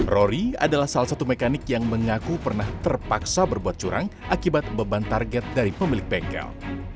rory adalah salah satu mekanik yang mengaku pernah terpaksa berbuat curang akibat beban target dari pemilik bengkel